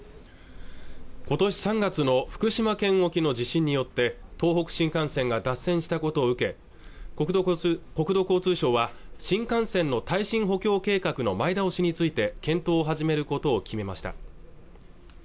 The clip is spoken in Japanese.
今年３月の福島県沖の地震によって東北新幹線が脱線したことを受け国土交通省は新幹線の耐震補強計画の前倒しについて検討を始めることを決めました